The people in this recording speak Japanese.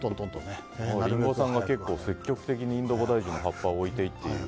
リンゴさんが結構積極的にインドボダイジュの葉っぱを置いていっている。